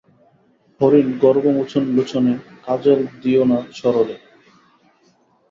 হরিণগর্বমোচন লোচনে কাজল দিয়ো না সরলে!